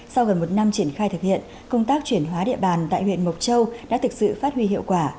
sau gần một năm triển khai thực hiện công tác chuyển hóa địa bàn tại huyện mộc châu đã thực sự phát huy hiệu quả